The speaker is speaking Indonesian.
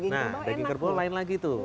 nah daging kerbau lain lagi tuh